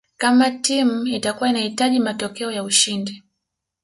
Kama timu itakua inahitaji matokeo ya ushindi